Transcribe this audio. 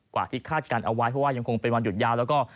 กว่าที่คาดการณ์เอาไว้เพราะว่ายังคงเป็นวันหยุดยาวแล้วก็